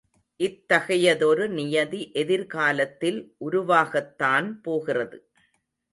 இத்தகையதொரு நியதி எதிர்காலத்தில் உருவாகத்தான் போகிறது.